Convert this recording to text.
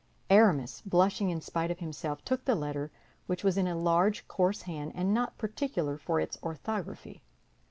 Aramis, blushing in spite of himself, took the letter, which was in a large, coarse hand and not particular for its orthography.